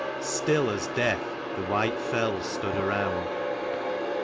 Still as death the white fells stood around.